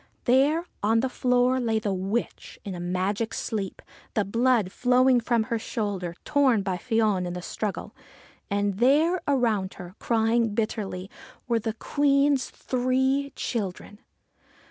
There on the floor lay the witch, in a magic sleep, the blood flowing from her shoulder, torn by Fion in the struggle. And there, around her, crying bitterly, were the Queen's three children.